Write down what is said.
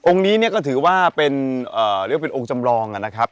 นี้เนี่ยก็ถือว่าเป็นเรียกว่าเป็นองค์จำลองนะครับ